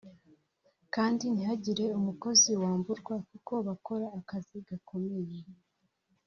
kandi ntihagire umukozi wamburwa kuko bakora akazi gakomeye